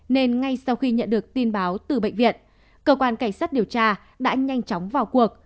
nên ngay sau khi nhận được tin báo từ bệnh viện cơ quan cảnh sát điều tra đã nhanh chóng vào cuộc